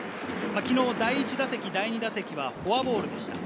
昨日、１第・２打打席はフォアボールでした。